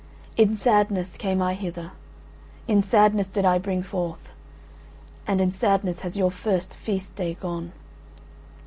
In sadness came I hither, in sadness did I bring forth, and in sadness has your first feast day gone.